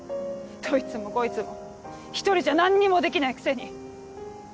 どいつもこいつも一人じゃ何にもできないくせに！